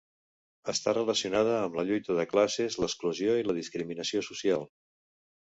Està relacionada amb la lluita de classes, l'exclusió i la discriminació social.